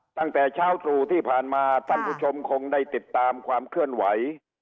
ตั้งแต่เช้าตรู่ที่ผ่านมาท่านผู้ชมคงได้ติดตามความเคลื่อนไหว